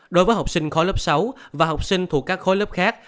đối với học sinh khối lớp sáu và học sinh thuộc các khối lớp khác